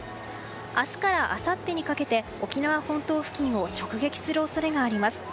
明日からあさってにかけて沖縄本島付近を直撃する恐れがあります。